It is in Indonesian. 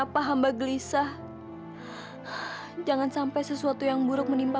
sampai jumpa di video selanjutnya